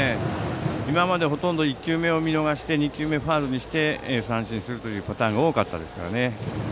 今までほとんど１球目を見逃して２球目はファウルして三振するというパターンが多かったんですけどね。